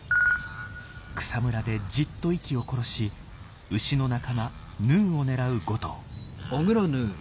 草むらでじっと息を殺しウシの仲間ヌーを狙う５頭。